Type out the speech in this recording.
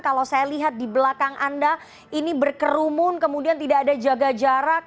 kalau saya lihat di belakang anda ini berkerumun kemudian tidak ada jaga jarak